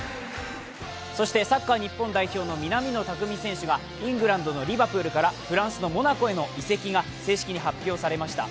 サッカー日本代表の南野拓実選手はイングランドのリヴァプールからフランスのモナコへの移籍が正式に発表されました。